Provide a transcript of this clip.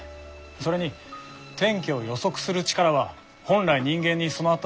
それに天気を予測する力は本来人間に備わった能力でもあります。